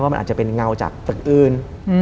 มันอาจจะเป็นเงาจากตึกอื่น